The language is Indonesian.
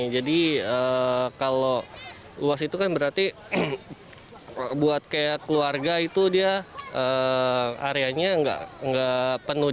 jadi kalau luas itu kan berarti buat keluarga itu dia areanya tidak penuh